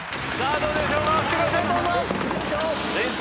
どうでしょうか？